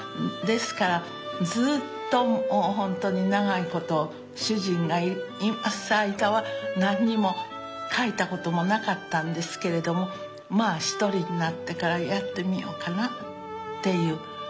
ですからずっと本当に長いこと主人がいます間は何にも描いたこともなかったんですけれどもまあ一人になってからやってみようかなっていう